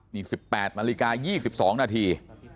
นี่๑๘นาฬิกา๒๒นาที